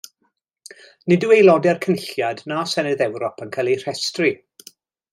Nid yw Aelodau'r Cynulliad na Senedd Ewrop yn cael eu rhestru.